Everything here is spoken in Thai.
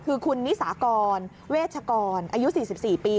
คือคุณนิสากรเวชกรอายุ๔๔ปี